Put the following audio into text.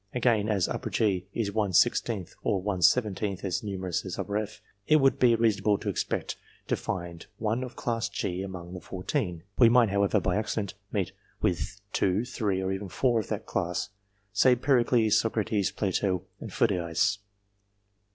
Again, as G is one sixteenth or one seventeenth as numer ous as F, it would be reasonable to expect to find one of class G among the fourteen ; we might, however, by accident, meet with two, three, or even four of that class say Pericles, Socrates, Plato, and Phidias.